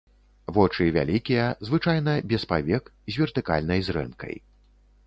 Вочы вялікія, звычайна без павек, з вертыкальнай зрэнкай.